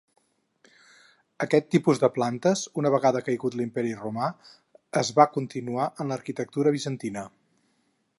Aquest tipus de plantes, una vegada caigut l'imperi romà, es va continuar en l'arquitectura bizantina.